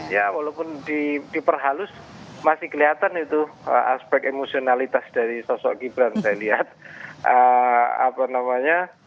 ya padahal diperhalus masih kelihatan aspek emosionalitas dari shgt pada saat kita lihat